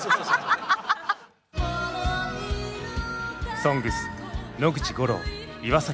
「ＳＯＮＧＳ」野口五郎岩崎宏美。